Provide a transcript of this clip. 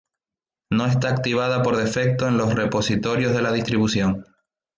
No está activada por defecto en los repositorios de la distribución.